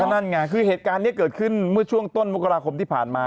นั่นไงคือเหตุการณ์นี้เกิดขึ้นเมื่อช่วงต้นมกราคมที่ผ่านมา